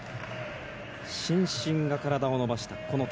伸身が体を伸ばしたこの状態。